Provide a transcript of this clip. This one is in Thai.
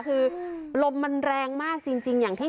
คือลมมันแรงมากจริงจริงอย่างที่